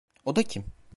O da kim?